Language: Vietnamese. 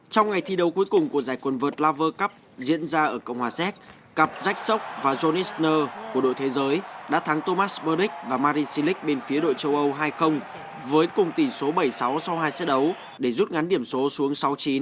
trong ngày thi đấu cuối cùng của giải quân vượt lava cup diễn ra ở cộng hòa séc cặp jack sock và jonas nơ của đội thế giới đã thắng thomas burdick và marin silic bên phía đội châu âu hai với cùng tỉ số bảy mươi sáu sau hai xe đấu để rút ngắn điểm số xuống sáu chín